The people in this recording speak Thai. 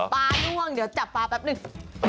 ปลาล่วงเดี๋ยวจับปลาแป๊บนึง